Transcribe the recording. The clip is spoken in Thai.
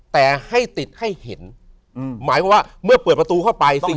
แต่ให้ติดให้เห็นหมายความว่าเมื่อเปิดประตูเข้าไปสิ่ง